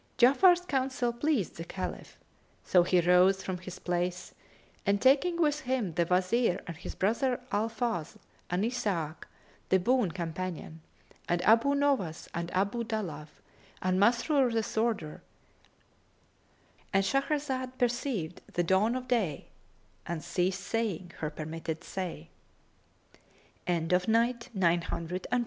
Ja'afar's counsel pleased the Caliph, so he rose from his place and taking with him the Wazir and his brother Al Fazl and Isaac[FN#276] the boon companion and Abu Nowas and Abu Dalaf[FN#277] and Masrur the Sworder,— And Shahrazad perceived the dawn of day and ceased saying her permitted say.